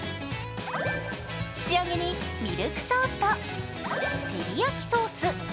仕上げにミルクソースと照り焼きソース